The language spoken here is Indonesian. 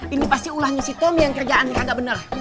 ini pasti ulahnya si tomi yang kerjaan ini gak bener